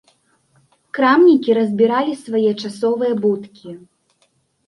Крамнікі разбіралі свае часовыя будкі.